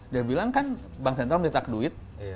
dia bilang kan bank sentral ditak duit